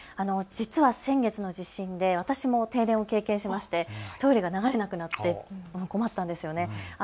実は先月の地震で私も停電を経験してトイレが流れなくなって困ったんですよね。